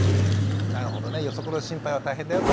なるほどね予測の心配は大変だよと。